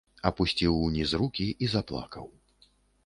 Апусціў уніз рукі і заплакаў.